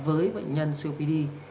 với bệnh nhân copd